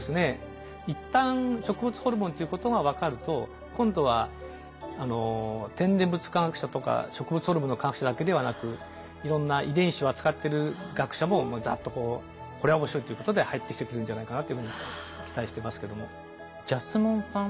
一旦植物ホルモンということが分かると今度は天然物化学者とか植物ホルモンの科学者だけではなくいろんな遺伝子を扱ってる学者もざっとこうこれは面白いということで入ってきてくるんじゃないかなというふうに期待してますけども。